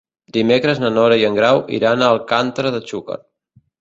Dimecres na Nora i en Grau iran a Alcàntera de Xúquer.